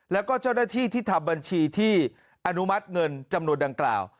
แล้วก็เจ้าหน้าที่ที่ทำบัญชีที่อนุมัติเงินจำนวนดังกล่าว